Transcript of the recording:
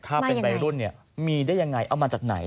ถ้าเป็นวัยรุ่นเนี่ยมีได้ยังไงเอามาจากไหน